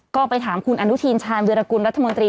ก็ไปถามคุณอนุทีชาญเดือรกุลรัฐมนตรี